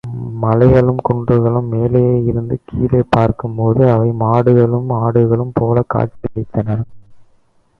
மலைகளும் குன்றுகளும் மேலே இருந்து கீழே பார்க்கும்போது அவை மாடுகளும் ஆடுகளும் போலக் காட்சி அளித்தன.